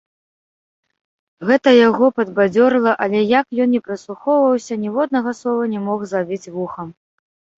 Гэта яго падбадзёрыла, але як ён ні прыслухоўваўся, ніводнага слова не мог злавіць вухам.